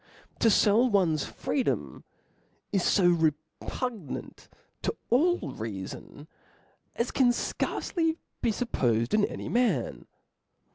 To fell one's freedom * is fo re pugnant to all reafon, as can fcarce be fuppofed in any nian.